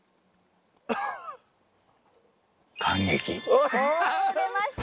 お出ました！